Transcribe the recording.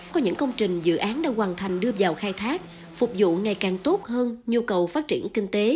có những công trình dự án đã hoàn thành đưa vào khai thác phục vụ ngày càng tốt hơn nhu cầu phát triển kinh tế